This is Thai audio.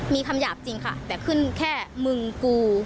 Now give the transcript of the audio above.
มีคำหยาบจริงค่ะแต่ขึ้นแค่มึงกู